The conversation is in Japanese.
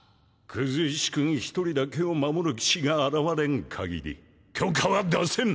クズ石くん一人だけを守る騎士が現れんかぎり許可は出せぬ。